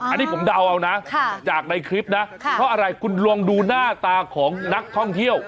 อันนี้ผมเดาเอานะจากในคลิปนะเพราะอะไรคุณลองดูหน้าตาของนักท่องเที่ยว